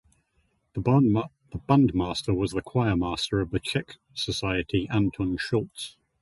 The bandmaster was the choirmaster of the Czech Society Antun Shultz.